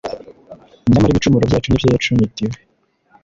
nyamara ibicumuro byacu ni byo yacumitiwe